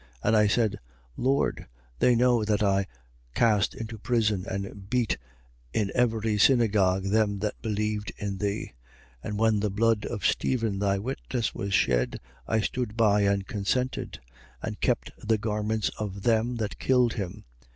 22:19. And I said: Lord, they know that I cast into prison and beat in every synagogue them that believed in thee. 22:20. And when the blood of Stephen thy witness was shed, I stood by and consented: and kept the garments of them that killed him.